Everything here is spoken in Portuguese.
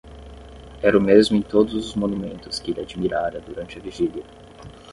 Era o mesmo em todos os monumentos que ele admirara durante a vigília.